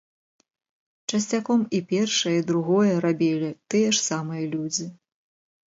Часцяком і першае, і другое рабілі тыя ж самыя людзі.